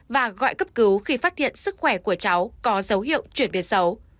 và gọi cấp cứu khi phát hiện sức khỏe của cháu có dấu hiệu chuyển biến xấu